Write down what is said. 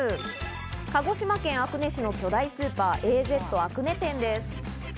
鹿児島県阿久根市の巨大スーパー・Ａ−Ｚあくね店です。